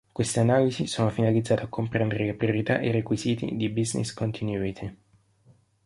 Queste analisi sono finalizzate a comprendere le priorità e i requisiti di business continuity.